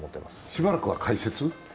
しばらくは解説？